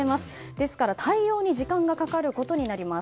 ですから対応に時間がかかることになります。